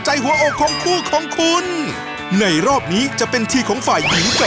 โชคความแม่นแทนนุ่มในศึกที่๒กันแล้วล่ะครับ